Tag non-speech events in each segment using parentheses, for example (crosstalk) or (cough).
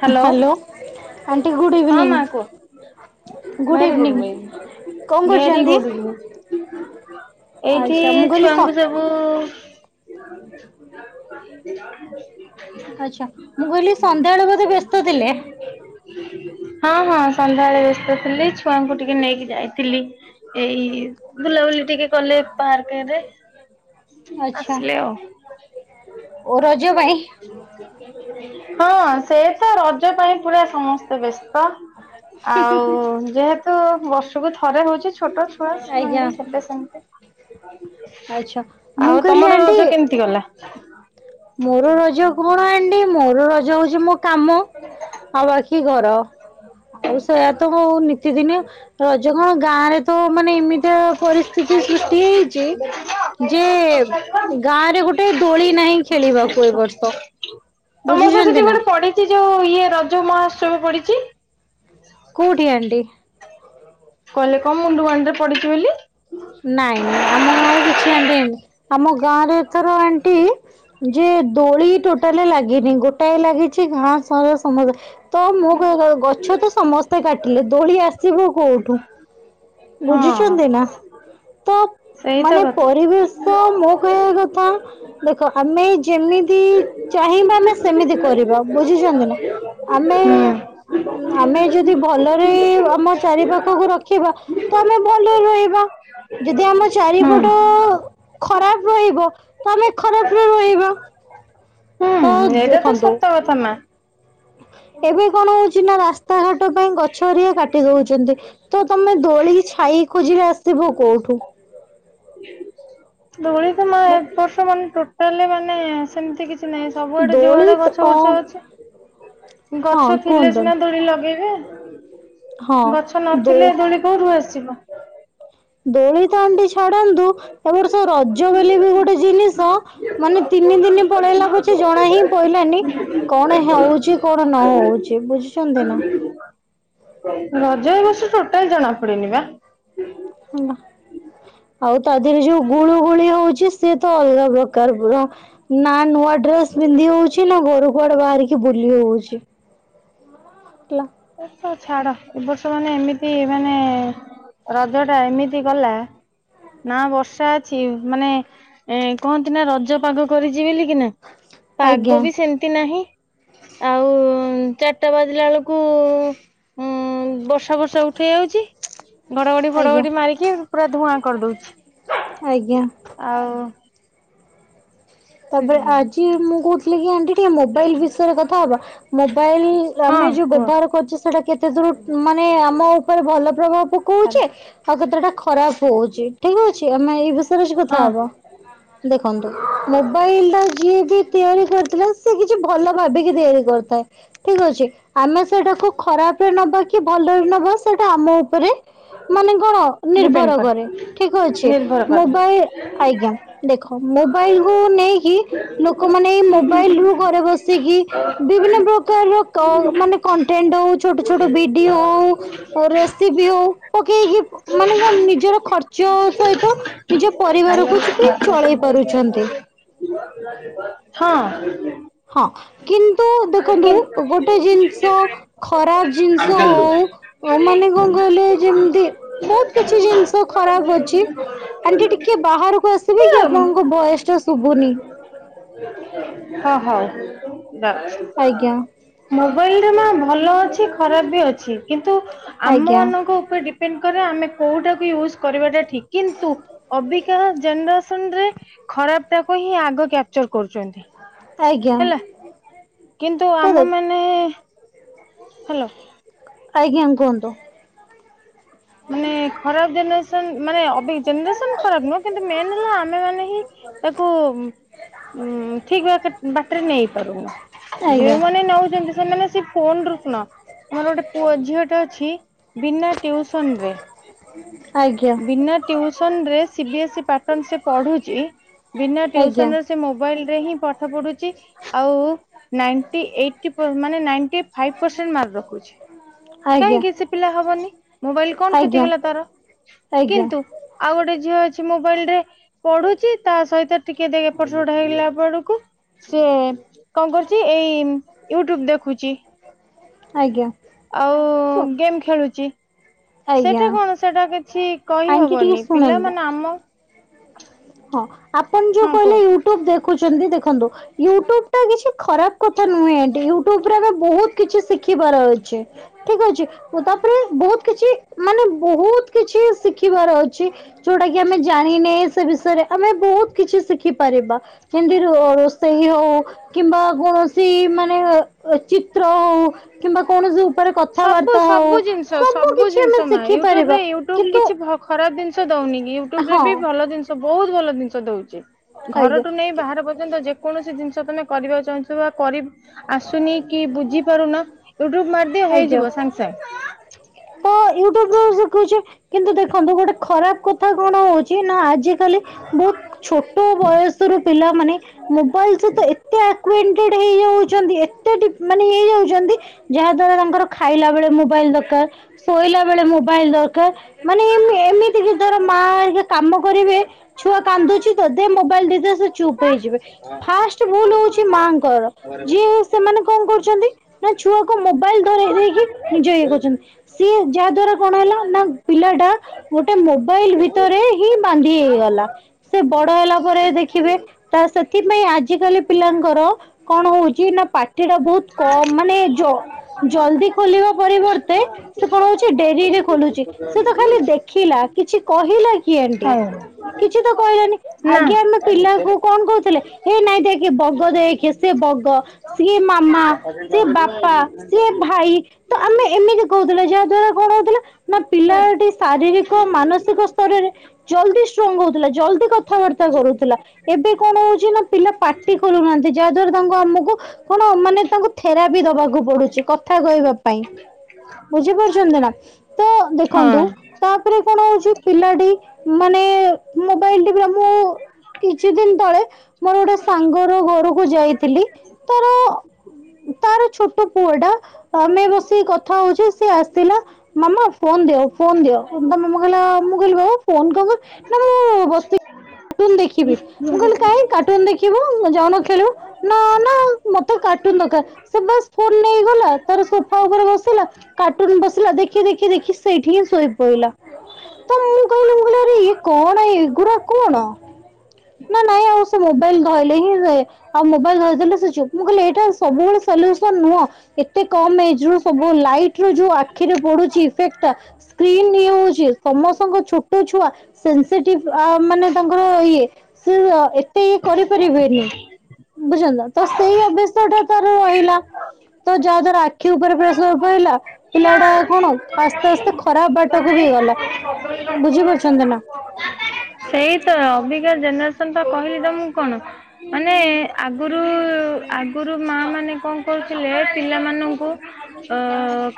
Hello aunty good ହଁ evening ମା କୁହ ଗୁଡ୍ ଇଭିନିଂ କଣ କରୁଛନ୍ତି? ଗୁଡ ଗୁ ଏଇଠି ଆଚ୍ଛା ମୁଁ କହିଲି ସ ଛୁଆଙ୍କୁ ସବୁ ଆ୍ଛା ମୁଗଲି ସନ୍ଧ୍ୟାବେଳେ ବୋଧେ ବ୍ୟସ୍ତ ଥିଲେ ହଁ ହଁ ସନ୍ଧ୍ୟାବେଳେ ବ୍ୟସ୍ତ ଥିଲି ଛୁଆଙ୍କୁ ଟିକେ ନେଇକି ଯାଇଥିଲି ଏଇ ବୁଲାବୁଲି ଟିକେ କଲେ ପାର୍କରେ ଆଚ୍ଛା ଆସିଲେ ଆଉ ଓ ରଜ ପାଇଁ ହଁ ସେ ତ ରଜ ପାଇଁ ପୁରା ସମସ୍ତେ ବ୍ୟସ୍ତ ଆଉ ଯେହେତୁ ତ ବର୍ଷକୁ ଥରେ ହଉଛି ଛୋଟ ଛୋଟ ମନ୍ଦି ସେବେେ ସେମତି ଆଛା ମୁଁ କହିଲି ତମର ଆଣ୍ଟି ରଜ କେମିତି ଗଲା? ମୋର ରଜ କଣ ଆଣ୍ଟି ମୋର ରଜ ହଉଛି ମୋ କାମ ଆଉ ବାକି କି ଘର ଆଉ ସେୟା ତୋ ନିତିଦିନି ରଜ କଣ ଗାଁ ରେ ତ ମାନେ ଏମିତି ପରିସ୍ଥିତି ସୃଷ୍ଟି ହେଇଛି। ଯେ ଗାଁ ରେ ଗୋଟେ ଦୋଳି ନାହିଁ ଖେଳିବାକୁ ଏ ବର୍ଷ ତମର ପା ବୁଝୁଛନ୍ତି ସେଠି ନା ଗୋଟେ ପଡିିଛି ଯୋଉ ଇଏ ରଜ ମହାଷ୍ଟମୀ ପଡି କଡ଼ି ଆଡି କହିଲେ କଣ ମୁଣ୍ଡୁଗଡିରେ ପଡିଛି ବୋଲି ନାଇଁ ନାଇଁ ଆମ ଗାଁରେ କିଛି ଆଣ୍ଟି ଆମ ଗାଁରେ ଏଥର ଆଣ୍ଟି ଯେ ଦୋଳି ଟୋଟାଲି ଲାଗିନି ଗୋଟାଏ ଲାଗିଛି ଗାଁ ସହର ସମସ୍ତ ତ ମୁ? ଗଛ ତ ସମସ୍ତେ କାଟିଲେ ଦୋଳି ଆସ ଯିବୁ କୋଉଠୁ ହଁ ବୁଝିଛନ୍ତି ନା? ତ ସେଇତ ମାନେ କଥା ପରିବେଶ ତ ମୋ କହିବା କଥା ଦେଖ ଆମେ ଯେମିତି ଚାହିଁବା ଆମେ ସେମିତି କରିବା ବୁଝିଛନ୍ତି ନା? ଆମେ ହୁଁ ଆମେ ଯଦି ଭଲରେ ଆମ ଚାରିପାଖକୁ ରଖିବା ତ ଆମେ ଭଲରେ ରହିବା ଯଦି ଆମ ହୁଁ ଚାରିପଟ ଖରାପ ରହିବ ତ ଆମେ ଖରାପରେ ରହିବା ହୁଁ ତ ଏଟ ତ ଦେଖନ୍ତୁ ସତ୍ୟ କଥା ମା ଏବେ କଣ ହଉଛି ନା ରାସ୍ତାଘାଟ ପାଇଁ ଗଛରିଆ କାଟି ଦଉଛନ୍ତି ତ ତମେ ଦୋଳି ଛାଇ ଖୋଜିରେ ଆସିବ କୋଉଠୁ ଦଳି ତ ମା ଏକ ବର୍ଷ ମାନ ତାହେଲେ ମାନେ ସେମିତି କିଛି ନାଇଁ ସବୁଆଡେ ଦୋଳି ଯୋଆଡେ ଗଛ ଅ ଫୁର୍ଛ ଅଛି ହଁ ଗଛ ଥିଲେ କୁହନ୍ତୁ ସିନା ଦୋଡି ଲଗେଇବେ। ହଁ ଗଛ ଦୋ ନଥିଲେ ଧଳି ଘୋରୁ ଆସିବ ଦୋଳି ତଣ୍ଡି ଛାଡନ୍ତୁ ଏ ରଜ ବୋଲି ବି ଗୋଟେ ଜିନିଷ ମାନେ ତିନି ଦିନ ପଳେଇଲା ପଛେ ଜଣା ହି ପହିଲାନି କଣ ହଉଛି କଣ ନହଉଛି ବୁଝୁଛନ୍ତି ନା? ହ ରଜ ବସ ଟୋଟାଲ ଜଣା ପଡନି ବା ନା ଆଉ ତା ଦେହରେ ଯୋଉ ଗୁଳୁ ଗୁଳି ହଉଛି। ସେ ତ ଅଲଗା ପ୍ରକାର ପୁରା ନା ନୂଆ ଡ୍ରେସ ପିନ୍ଧି ହଉଛି ନା ଘରୁ କୁଆଡେ ବାହାରିକି ବୁଲି ହଉଛି ହେଲା ଛାଡ ଏ ବର୍ଷ ମାନେ ଏମିତି ମାନେ ରଜ ଟା ଏମିତି ଗଲା ନା ବର୍ଷା ଅଛି ମାନେ ଏ କୁହନ୍ତି ନା ରଜ ପାଗ କରିଛି। ଯି କି ନା ପାଗ ଆଜ୍ଞା ବି ସେମତି ନାହିଁ ଆଉ ହ ଚାରଟା ବାଜିଲା ବେଳକୁ ହୁଁ ଉଁ ବର୍ଷା ବର୍ଷା ଉଠେଇ ଯାଉଛି। ଘଡଘଡି ଫଡ ଆଜ୍ଞା ଗଡି ମାରିକି ପୁରା ଧୂଆଁ କରିଦଉଛି। ଆଜ୍ଞା। ଆଉ ତାପରେ ଆଜି ମୁଁ କହୁଥିଲି କି ଆଣ୍ଟି ଟିକେ ମୋବାଇଲ ବିଷୟରେ କଥା ହବା ମୋବାଇଲ ଆମେ ହଁ ଯୋଉ କୁହ ବ୍ୟବହାର କରୁଚେ ସେଇଟା କେତେ ଦୂର ମାନେ ଆମ ଉପରେ ଭଲ ପ୍ରଭାବ କାଲି ପକଉଚି ଆଉ କେତେଟା ଖରାପ ପକଉଛି ଠିକ ଅଛି। ଆମେ ଏଇ ବାସ୍ (unintelligible) କଥା ହଁ ହବା ଦେଖନ୍ତୁ। ମୋବାଇଲ ଟା ଯିଏ ବି ତିଆରି କରିଥିଲା। ସେ କିଛି ଭଲ ଭାବିକି ତିଆରି କରିନାଇ ଠିକ ଅଛି। ଆମେ ସେଇଟାକୁ ଖରାପରେ ନବା କି ଭଲରେ ନବା ସେଇଟା ଆମ ଉପରେ ମାନେ କଣ ନିର୍ଭର କରେ ଠିକ ଅଛି ନିର୍ଭର କରେ ମୋବାଇଲ ଆଜ୍ଞା ଦେଖ। ମୋବାଇଲ କୁ ନେଇକି ଲୋକମାନେ ଏଇ ମୋବାଇଲ ରୁ ଘରେ ବସିକି ବିଭିନ୍ନ ପ୍ରକାରର ମାନେ କ କଣ୍ଟେଣ୍ଟ ହଉ ଛୋଟ ଛୋଟ ଭିଡିଓ ହଉ ରେସିପି ହଉ ପକେଇକି ମାନେ କଣ ନିଜର ଖର୍ଚ୍ଚ ସହିତ ନିଜ ପରିବାରକୁ ବି ଚଳେଇ ପାରୁଛନ୍ତି। ହଁ। କିନ୍ତ ତୁ କି ଦେଖନ୍ତୁ ଗୋଟେ ଜିନିଷ ଖରାପ ଜିନିଷ ହଉ ଯୋଉ ମାନେ କଣ କହିଲେ ଯେମିତି ବହୁତ କିଛି ଜିନିଷ ଖରାପ ଅଛି ଆଣ୍ଟି ଟିକେ ବାହାରକୁ ଆସିବି କି ଆପଣଙ୍କ ଭଏସ ଟା ଶୁଭୁନି। ହଁ ହଉ। ଯାଉଛି। ଆଜ୍ଞା। (unintelligible) ଭଲ ଅଛି ଖରାପ ବି ଅଛି କିନ୍ତୁ ଆମ ଆଜ୍ଞା ମାନଙ୍କ ଉପରେ ଡିପେଣ୍ଡ (unintelligible) ଆମେ କଉଟାକୁ ଇଉଜ୍ କରିବାଟା କି କିନ୍ତୁ ଅବିକା (unintelligible) (unintelligible) ଖରାପ ଟାକୁ ହିଁ ଆଗ କ୍ୟାପଚର କରୁଚନ୍ତି। ଆଜ୍ଞା। କିନ୍ତୁ ତ ଆମ ଦେଖ ମାନେ ହେଁ ହାଲୋ। ଆଜ୍ଞା କୁହନ୍ତୁ। ମାନେ ଖରାପ ଜିନଷ (unintelligible) ମାନେ (unintelligible) ଜେନେରେସନ ଖରାପ ନୁହଁ କିନ୍ତୁ ମେନ୍ ହେଲା ଆମେ ମାନେ ହିଁ ତାକୁ ଉ ଠିକ ବା ବାଟରେ ନେଇ ପାରୁନୁ ଆଜ୍ଞା। ଯୋଉମାନେ ନଉଛନ୍ତି। ସେମାନେ ସେ ଫୋନ ରୁ ଶୁଣ ମୋର ଗୋଟେ ପୁଅ ଝିଅଟେ ଅଛି ବିନା ଥନ ବେ ଆଜ୍ଞା ବିନା ଟି ସନ ରେ ସିବି ଏସ୍ଇ ପାଟନ ସେ ପଢୁଛି ବିନା ଆଜ୍ଞା ଟ୍ୟୁସନରେ ସେ ମୋବାଇଲ ହ ପାଠ ପଢୁଛି ଆଉ ନାଇଟି ଏ ମାନେ ନାଇ ରଖଛି ଆଜ୍ଞା ଆଜ୍ଞା କାହିଁକି ସେ ପିଲା ହବନି? ମ କଣ କତି ଆଜ୍ଞା କଲା ତାର ଆଜ୍ଞା। କିନ୍ତୁ ଆଉ ଗୋଟେ ଝିଅ ଅଛି ମୋବାଇଲ ରେ ପଢୁଛି ତା ସହିତ ଟିକେ ଏପଟ ଟ ହେଇଗଲା ବେଳକୁ ସେ କଣ କରୁଛି ଏଇ? ୟୁଟ୍ୟୁବ ଦେଖୁଛି। ଆଉ ଆଜ୍ଞା ଗେମ୍ ଖେଳୁଛି। ସେଟା ଆଜ୍ଞା କଣ ସେଟା କିଛି ଆଣ୍ଟି ଟିକେ କହିହବନି ଶୁଣନ୍ତୁ ପିଲାମାନେ ଆମ ହଁ। ଆପଣ ଯୋଉ ହଁ କହିଲେ କୁହ। ୟୁଟୁବ ଦେଖୁଛନ୍ତି ଦେଖନ୍ତୁ। ୟୁଟ୍ୟୁବ ଟା କିଛି ଖରାପ କଥା ନୁହେଁ ଏ ୟୁଟ୍ୟୁବ ରେ ଆେ ବହୁତ କିଛି ଶିଖିବାର ଅଛି ଠିକ ଅଛି ତାପରେ ବହୁତ କିଛି ମାନେ ବହୁତ କିଛି ଶିଖିବାର ଅଛି ଯୋଉଟା କି ଆମେ ଜାଣିନେ ସେ ବିଷୟ ଆମେ ବହୁତ କିଛି ଶିଖିପାରିବା। ସେମିତି ରୋଷେଇ ହଉ କିମ୍ବା କୌଣସି ମାନେ ଚିତ୍ର ହଉ କିମ୍ବା କୌଣସି ଉପରେ ସବୁ କଥାବାର୍ତ୍ତା ହଉ ସବୁ ଜିନିଷ ସବୁ କିଛି ଆମେ ଜିନିଷ ମା ୟୁଟୁବ ଶିଖିପାରିବା ରେ ୟୁଟୁବ କିନ୍ତୁ କିଛି ଖରାପ ଜିନିଷ ଦଉନି କି ୟୁଟ୍ୟୁବ ରେ ହଁ ବି ଭଲ ଜିନିଷ ବହୁତ ଭଲ। ଜିନିଷ ଦଉଛି। ଆଜ୍ଞା ଘରଠୁ ନେଇ ବାହାର ପର୍ଯ୍ୟନ୍ତ ଯେକୌଣସି ଜିନିଷ ତମେ କରିବାକୁ ଚାହୁଁଛ ବା କରି ଆସୁନି କି ବୁଝି ପାରୁନ? (unintelligible) ଟ ଆଜ୍ଞା। ହେଇଯିବ ସାଙ୍ଗେ ସାଙ୍ଗେ ତ ୟୁଟ୍ୟୁବରେ ଶିଖୁଛ। କିନ୍ତୁ ଦେଖନ୍ତୁ ଗୋଟେ ଖରାପ କଥା କଣ ହଉଛି ନା ଆ ଖାଲି ବହୁତ ଛୋଟ ବୟସରୁ। ପିଲାମାନେ ମୋବାଇଲ ଚ ତ ଏତେ ହେଇାଉ ଏତେ ମାନେ ହେଇଯାଉଛନ୍ତି। ଯାହା ଦ୍ଵାରା ତାଙ୍କର ଖାଇଲା ବେଳେ ମୋବାଇଲ ଦରକାର। ଶୋଇଲା ବେଳେ ମୋବାଇଲ ଦରକାର। ମାନେ ଏମିତି କି ଧର ମା, କକାମ କରିବେ ଛୁଆ କାନ୍ଦୁଛି। ତ ଦେ ମୋବାଇଲ ଦଦେ ସେ ଚୁପ୍ ହେଇଯିବେ, ଫାଷ୍ଟ ଭୁଲ ହଉଛି ମାଙ୍କର ଯିଏ ସେମାନେ କଣ କରୁଛନ୍ତି ନା ଛୁଆକୁ ମୋ ବାଇଲ ଧରେଇ ଦେଇକି ନିଜ ଇଏ କରୁଚନ୍ତି। ସିଏ ଯାହା ଦ୍ଵାରା କଣ ହେଲା ନା ପିଲା ଟା ଗୋଟେ ମୋବାଇଲ ଭିତରେ ହିଁ ବାନ୍ଧି ହେଇଗଲା। ସେ ବଡ ହେଲା ପରେ ଦେଖିବେ ତା ସ ଏଥିପାଇଁ ଆଜିକାଲି ପିଲାଙ୍କର କଣ ହଉଚି ନା ପାଟି ପାଟିଟା ବହୁତ କମ ମାନେ ଜଲଦି ଖୋଲିବା ପରିବର୍ତ୍ତେ ସେ କଣ ହଉଚି ଡେରିରେ ଖୋଲୁଚି। ସେ ତ ଖାଲି ଦେଖିଲା କିଛି କହିଲା କିଏ ଣ୍ଟିଏ, ସାଙ୍ଗେ। କିଛି ତ କହିଲାନି ହଉ ନା ଆଗେ ଆମେ ପିଲାକୁ କଣ କହୁଥିଲେ। ଏ ନାଇଁ ଦେଖେ ବଗ ଦେଖେ ସେ ବଗ ସିଏ ମା ସେ ବାପା, ସେ ଭାଇ, ତ ଆମେ ଏମିତି କହୁଥିଲେ ଯା ଦ୍ଵାରା କଣ ହଉଥିଲା ନା ପିଲାଟି ଶାରୀରିକ ମାନସିକ ସ୍ତରରେ ଜଲଦି ଷ୍ଟ୍ରଙ୍ଗ ହଉଥିଲା, ଜଲଦି କଥାବାର୍ତ୍ତା କରୁଥିଲା। ଏବେ କଣ ହଉଚି ନା ପିଲା ପାଟି ଖୋଲୁନାହାନ୍ତି, ଯାହା ଦ୍ଵାରା ତାଙ୍କୁ ଆମକୁ କଣ ମାନେ ତାଙ୍କୁ ଥେରାପି ଦବାକୁ ପଡୁଚି କଥା କହିବା ପାଇଁ । କରୁଛନ୍ତି ନା? ତ ଦେଖନ୍ତୁ ହଁ। ତାପରେ କଣ ହଉଚି ପିଲାଟି ମାନେ ମୋବାଇଲ ଟ ମୁଁ କିଛି ଦିନ ତଳେ ମୋର ଗୋଟେ ସାଙ୍ଗର ଘରକୁ ଯାଇଥିଲି, ତାର ତାର ଛୋଟ ପୁଅ ଟା ଆମେ ବସିକି କଥା ହଉଚେ ସେ ଆସିଲା ମାମା ଫୋନ ଦିଅ ଫୋନ ଦିଅ, ତା ମାମା କହିଲା ମୁଁ କହିଲି ବାବା ଫୋନ କଣ ନା ମୁଁ ବସିକ କାଟୁନ ଦେଖିବି । ମୁଁ କହିଲି କାହିଁ କାଟୁନ ଦେଖିବୁ? ଜଣକ ଖେଳୁ ନା ନା ମତେ କାଟୁନ ଦରକାର। ସବସ୍ ଫୋ ନେଇଗଲା, ତାର ସୋଫା ଉପରେ ବସିଲା। କାର୍ଟୁନ ବସିଲା। ଦେଖି, ଦେଖି, ଦେଖି ସେଇଠି ହିଁ ଶୋଇ ପଇିଲା। ତ ମୁଁ କହିଲି ମୁଁ କହିଲି ଆରେ ଇଏ କଣ ଏ ଏଗୁୁରା କଣ? ନା ନାଇଁ ଆଉ ସେ ମୋବାଇଲ ଧରିଲେ ହିଁ ଇଏ, ଆଉ ମୋବାଇଲ ଧରଦଲେ ସେ ଚୁ, ମୁଁ କହିଲି ଟା ସବୁବେଳେ ସଲ୍ୟୁସନ୍ ନୁହଁ । ଏତେ କମ୍ ଏଜରୁ ସବୁ ବେଳେ ଲାଇଟ୍ ସ୍କ୍ରିନ ଇଏ ହଉଛି ସମସ୍ତଙ୍କ ଛୋଟ ଛୁଆ ସେନ୍ସିଟିଭ ଆ ମାନେ ତାଙ୍କ ସେ ଏତେ ଇଏ କରିପାରିବେନି। ବୁଝନ୍ତ ନା ତ ସେଇ ଅବସ୍ତା ଟା ତ ରହିଲା, ତ ଯାହା ଦ୍ୱାରା ଆଖି ଉପରେ ପ୍ରେସର ପଡ଼ିଲା। ପିଲା ଟା କଣ ଆଉ, ଆସ୍ତେ ଆସ୍ତେ ଖରାପ ବାଟକୁ ବି ଗଲା। (inaudible) ବୁଝିପାରୁଛନ୍ତି ନା। ସେଇ ତ ଅବିକା ଜନ ତମେ ତ କହିଲି ତମୁକୁ କଣ? ମାନେ ଆଗରୁ ଆଗରୁ ମା ମାନେ କଣ କରୁଥିଲେ ପିଲାମାନଙ୍କୁ ତ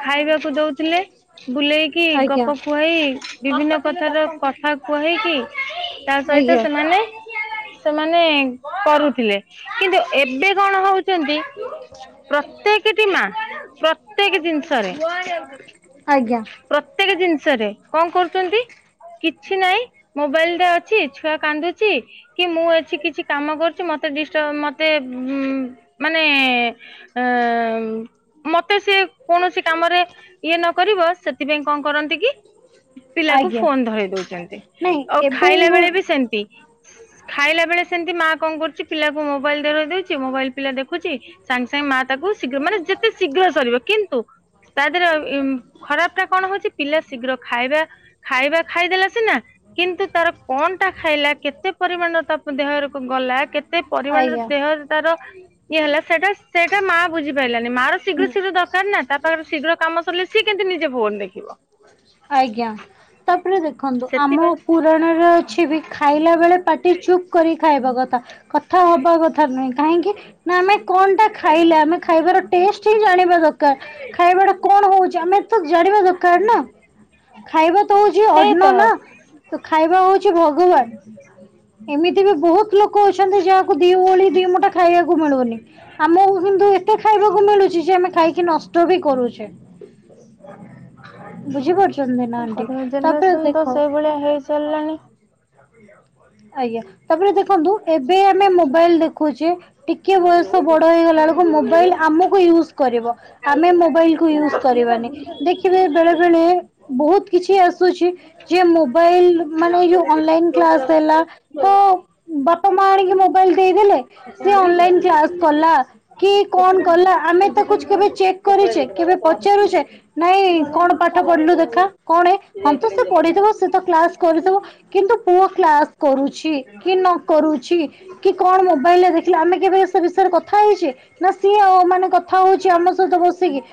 ଖାଇବାକୁ ଦଉଥିଲେ। ବୁଲେଇକି ଆଜ୍ଞା ଗପ କୁହେଇ କଥାର କଥା କୁହେଇକି ତା ସହିତ ଆଜ୍ଞା ସେମାନେ ସେମାନେ କରୁଥିଲେ କିନ୍ତୁ ଏବେ କଣ ହଉ ଚନ୍ତି, ପ୍ରତ୍ୟେକଟି ମା ପ୍ରତ୍ୟେକ ଜିନିଷରେ ଆଜ୍ଞା ପ୍ରତ୍ୟେକ ଜିନିଷରେ କଣ କରୁ କିଛି ନାଇଁ ମୋବାଇଲରେ ଅଛି ଛୁଆ କାନ୍ଦୁଛି କି ମୁଁ ଅଛି କିଛି କାମ କରୁଛି ମତେ ମତେ ମାନେ ମତେ ସେ କୌଣସି କାମରେ ଇଏ ନ କରିବ ସେଥିପାଇଁ କଣ କରନ୍ତି କି ପିଲାକୁ ଆଜ୍ଞା। ଫୋନ ଧର ଦଉଛନ୍ତି ନାଇଁ ଆଉ ଏବେ ଖାଇଲା ଗୋ ବେଳେ ବି ସେମତି ଖାଇଲା ବେଳେ ସେମିତି ମା କଣ କରୁଛି ପିଲାକୁ ମୋବାଇଲ ଦେର ଦଉଛି ମୋବାଇଲ ପିଲା ଦେଖୁଛି ସାଙ୍ଗେ ସାଙ୍ଗେ ମା ତାକୁ ଶୀଘ୍ର ମାନେ ଯେତେ ଶୀଘ୍ର ସରିବ କିନ୍ତୁ ତା ଦେହରେ ଖରାପ ଟା କଣ ହଉଛି ପିଲା ଶୀଘ୍ର ଖାଇବା ଖାଇବା ଖାଇଦେଲା ସିନା କିନ୍ତୁ ତାର କଣ ଟା ଖାଇଲା କେତେ ପରିମାଣ ତା ଦେହକୁ ଗଲା କେତେ ଏତେ ପରିମାଣର ଆଜ୍ଞା ଦେହ ତାର ଇଏ ହେଲା ସେଇଟା ସେଇଟା ମା ବୁଝି ପାରିଲାନି ମା ର ହୁଁ ଶୀଘ୍ର ଶୀଘ୍ର ଦରକାର ନା ତା ପାଖରେ ଶୀଘ୍ର କାମ ସିଏ କେିେ ନିଜେ ଭୋନ ଦେଖିବ ଆଜ୍ଞା ତାପରେ ଦେଖନ୍ତୁ ଆମ ସେଥିପାଇଁ ପୁରାଣରେ ଅଛି ବି ଖାଇଲା ବେଳେ ପାଟି ଚୁପ୍ କରି ଖାଇବା କଥା କଥା ହେବା କଥା ନୁହେଁ କାହିଁକି ନା ଆମେ କଣ ଟା ଖାଇଲା ଆମେ ଖାଇବାର ଟେଷ୍ଟ ହିଁ ଜାଣିବା ଦରକାର ର ଖାଇବାଟା କଣ ହଉଛି ଆମେ ତ ଜାଣିବା ଦରକାର ପ ନା ଖାଇବା ହଉଛି ସେଇ ତ ଅନ ନା ଖାଇବା ହଉଛି ଭଗବାନ ଏମିତି ବି ବହୁତ ଲୋକ ଅ ପଛନ୍ତି ଯା ଦିଓଳି ଦ ମଟା ଖାଇବାକୁ ମିଳୁନି ଆମକୁ କିନ୍ତୁ ଏତେ ଖାଇବାକୁ ମିଳୁଛି ଯେ ଆମେ ଖାଇ କି ନଷ୍ଟ ବି କରୁଛେ ବୁଝିପାରୁଛନ୍ତି ନା ଆଣ୍ଟି କରିବା ତାପରେ ଜେନେରେସନ ଦେଖ ତ ସେଇଭଳିଆ ହେଇସାରିଲାଣି ଆଜ୍ଞା ତାପରେ ଦେଖନ୍ତୁ ଏବେ ଆମେ ମୋବାଇଲ ଦେଖୁଛେ ଟିକେ ବୟସ ବଡ ହେଇଗଲା ବେଳକୁ ମୋବାଇଲ ଆମକୁ ୟୁଜ କରିବ ଆମେ ମୋବାଇଲ କୁ ୟୁଜ କରିବାନି ଦେଖିବେ ବେଳେ ବେଳେ ବହୁତ କିଛି ଆସୁଛି ଯ ମୋ ମୋବାଇଲ ମାନେ ଏଇଯୋଉ ଅନଲାଇନ କ୍ଲାସ୍ ତ ବାପା ମାଆ ଆଣିକି ମୋବାଇଲ ଦେଇଦେଲେ ସେ ଅନଲାଇନ କ୍ଲାସ କଲା କି କଣ କଲା ଆମେ ତାକୁ କେବେ ଚେକ୍ କରିଛେ କେବେ ପଚାରୁଛେ ନାଇଁ କଣ ପାଠ ପଢିଲୁ ଦେଖା କଣେ ହଁତସେ ପଢିଥିବ ସେତ କ୍ଲାସ୍ କରିିଥିବ କିନ୍ତୁ ଓଫ କ୍ଲାସ କରୁଛି କି ନ କରୁଛି କି କଣ ମୋବାଇଲରେ ଦେଖିଲେ ଆମେ କେବେ ଏସ ବିଷୟରେ କଥା ହେଇଛେ ନା ସିଏ ଆଉ ମାନେ କଥା ହଉଛି ଆମ ସହିତ ବସିକି ।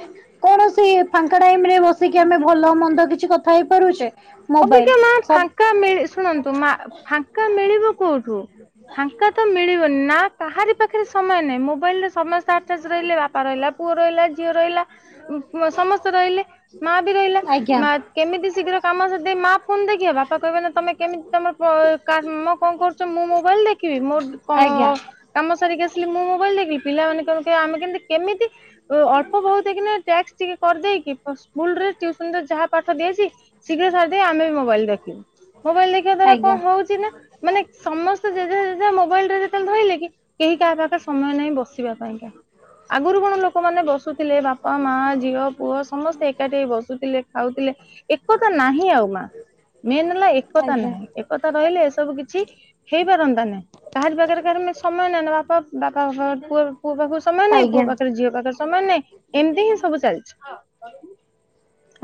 କୌଣସି ପାଙ୍କା ଟାଇମ୍ ରେ ବସିକି ଆମେ ଭଲ ମନ୍ଦ କିଛି କ କଇପାରୁଚେ। ଅବକା ମା ଫାଙ୍କା ମିଳି ଶୁଣନ୍ତୁ ମା ଫାଙ୍କା ମିଳିବ କୋଉଠୁ ଫାଙ୍କା ତ ମିଳିବନିନା । କହାରି ପାଖରେ ସମୟ ନାହିଁ ମୋବାଇଲ ରେ ସମସ୍ତେ ରହିଲେ ବାପା ରହିଲା ପୁଅ ରହିଲା ଝିଅ ରହିଲା ସମସ୍ତେ ରହିଲେ ମା ବି ରହିଲା ଆଜ୍ଞା ମା କେମିତି ଶୀଘ୍ର କାମ ମା ଫୋନ ଦେଖିବା ବାପା କହିବେ ତମେ କେମିତି ତମେ କାମ କଣ କରୁଛ ମୁଁ ମୋବାଇଲ ଦେଖିବି ମୋ ଆଜ୍ଞା କାମ ସାରିକି ଆସିଲି ମୁଁ ମୋବାଇଲ ଦେଖିବି। ପିଲାମାନେ କଣ କହିବେ ଆମେ କେମତି କେମିତି ଅଳ୍ପ ବହୁତ କି ନା ଟ୍ୟାକ୍ସ ଟିକେ କରିଦେଇକି ସ୍କୁଲ ରେ ଟୀୟୁସନ ରେ ଯାହା ପାଠ ଦିଆହେଇଛି ଶୀଘ୍ର ସା ଆମେବି ମୋବାଇଲ ଦେଖିବୁ। ମୋବାଇଲ ଦେଖିବା ଆଜ୍ଞା ଦ୍ଵାରା କଣ ଆଜ୍ଞା ହଉଛି ନା ମାନେ ସମସ୍ତେ ଜେଜେ ଜେଜେ ମୋବାଇଲ ରେ ଯେତେ ଧରଲେ କି କେହି କାହା ପାଖରେ ସମୟ ନାହିଁ ବସିବା ପାଇଁକା ଆଗରୁ କଣ ଲୋକମାନେେ ବସୁଥିଲେ ବାପା ବାପା ମା ଝିଅ ପୁଅ ସମସ୍ତେ ଏକାଠି ହେଇ ବସୁ ଥିଲେ। ଖାଉଥିଲେ ଏକତା ନାହିଁ ଆଉ। ମା ମେନ୍ ହେଲା ଏକତା ଆଜ୍ଞା ନାହିଁ ଏକତା ରହିଲେ ଏସବୁ କିଛି ହେଇପାରନ୍ତା ନାହିଁ କାହାରି ପାଖରେ କାହାର ସମୟ ନାହିଁ ନା ବାପା ବାପା (unintelligible) ପୁଅ ପୁଅ ପାଖକୁ ସମୟ ନାହିଁ ପୁଅ ଆଜ୍ଞା ପାଖରେ ଝିଅ ପାଖରେ ସମାନ ନାହିଁ ଏମିତି ହିଁ ସବୁ ଚାଲିଛି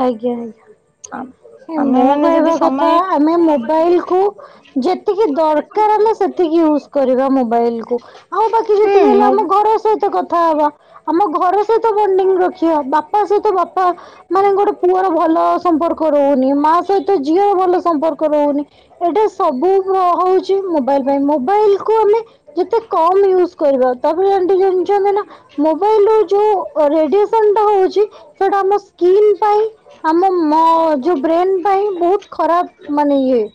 ଆଜ୍ଞା ଆଜ୍ଞା ଆମେ ମୋ ମାନେ କହିବା ଯଦି କଥା ସମୟ ଆମେ ମୋବାଇଲ କୁ ଯେତିକି ଦରକାର ଆମେ ସେତିକି ୟୁଜ କରିବା ମୋବାଇଲ କୁ। ଆଉ ବାକି ଯେତିକି ହେଲେ ଆମ ହୁଁ ଘର ସହିତ କଥା ହବା ଆମ ଘର ସହିତ ବଣ୍ଡିଙ୍ଗ ରଖିବା ବାପା ସହିତ ବାପା ମାନେ ଗୋଟେ ପୁଅର ଭଲ ସମ୍ପର୍କ ରହୁନି ମା ସହିତ ଝିଅ ଭଲ ସମ୍ପର୍କ ରହୁନି ଏଇଟା ସବୁ ହଉଛି ମୋବାଇଲ ପାଇଁ ମୋବାଇଲ କୁ ଆମେ ଯେତେ କମ ୟୁଜ କରିବା ତାପରେ ଆଣ୍ଟି ଜାଣିଛନ୍ତିନା ମୋବାଇଲ ର ଯୋଉ ରେଡିଏସନ ଟା ହଉଛି ସେଇଟା ଆମ ସ୍କିନ ଆମ ଯଉ ବ୍ରେନ ପାଇଁ ବହୁତ ଖରାପ ମାନେ ଇଏ